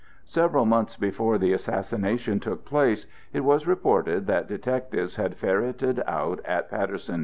Several months before the assassination took place it was reported that detectives had ferreted out at Paterson, N.